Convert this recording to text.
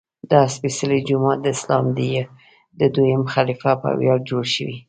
دا سپېڅلی جومات د اسلام د دویم خلیفه په ویاړ جوړ شوی.